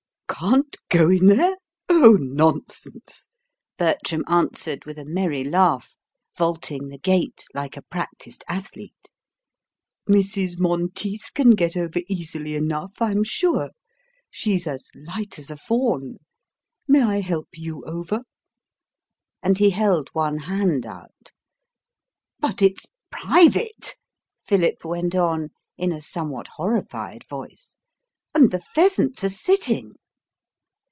"Can't go in there? Oh, nonsense," Bertram answered, with a merry laugh, vaulting the gate like a practised athlete. "Mrs. Monteith can get over easily enough, I'm sure. She's as light as a fawn. May I help you over?" And he held one hand out. "But it's private," Philip went on, in a somewhat horrified voice; "and the pheasants are sitting."